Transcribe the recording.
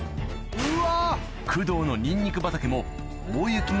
・うわ！